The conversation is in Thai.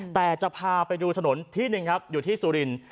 แต่จะพาไปดูถนนที่หนึ่งครับอยู่ที่สุรินทร์